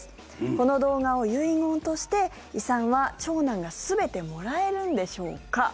この動画を遺言として遺産は長男が全てもらえるんでしょうか。